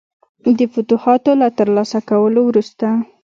د فتوحاتو له ترلاسه کولو وروسته.